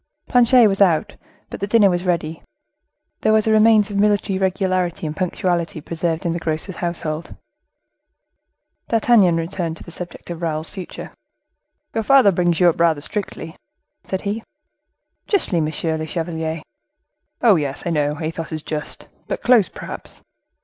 Planchet was out, but the dinner was ready. There was a remains of military regularity and punctuality preserved in the grocer's household. D'Artagnan returned to the subject of Raoul's future. "Your father brings you up rather strictly?" said he. "Justly, monsieur le chevalier." "Oh, yes, I know Athos is just; but close, perhaps?"